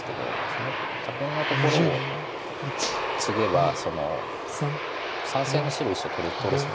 そのタケフのところをツゲば３線の白１子を取れそうなんですよね。